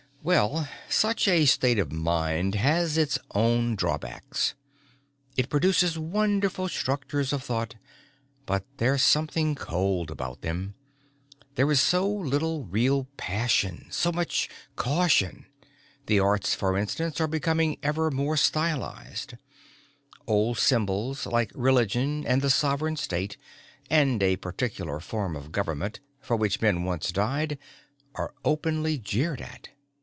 "Well, such a state of mind has its own drawbacks. It produces wonderful structures of thought but there's something cold about them. There is so little real passion, so much caution the arts, for instance, are becoming ever more stylized. Old symbols like religion and the sovereign state and a particular form of government, for which men once died, are openly jeered at.